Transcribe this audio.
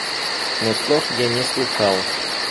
Но слов я не слыхал.